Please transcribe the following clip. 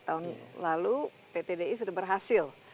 tahun lalu pt di sudah berhasil